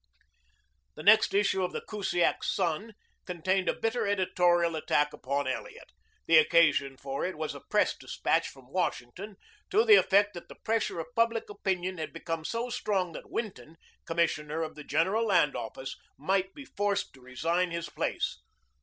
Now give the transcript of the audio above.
The next issue of the Kusiak "Sun" contained a bitter editorial attack upon Elliot. The occasion for it was a press dispatch from Washington to the effect that the pressure of public opinion had become so strong that Winton, Commissioner of the General Land Office, might be forced to resign his place.